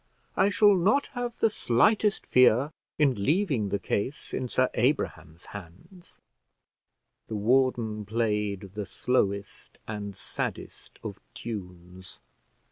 I shall not have the slightest fear in leaving the case in Sir Abraham's hands." The warden played the slowest and saddest of tunes.